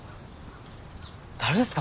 誰ですか？